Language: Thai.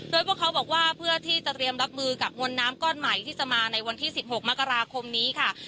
โดยพวกเขาบอกว่าเพื่อที่จะเตรียมรับมือกับมวลน้ำก้อนใหม่ที่จะมาในวันที่๑๖มกราคมนี้ค่ะ